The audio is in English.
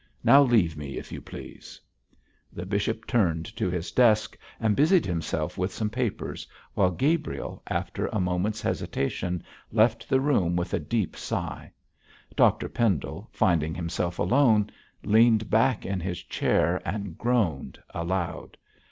Now leave me, if you please.' The bishop turned to his desk and busied himself with some papers, while Gabriel, after a moment's hesitation, left the room with a deep sigh. Dr Pendle, finding himself alone, leaned back in his chair and groaned aloud.